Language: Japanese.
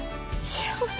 幸せ。